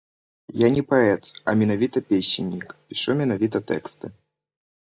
Я не паэт, а менавіта песеннік, пішу менавіта тэксты.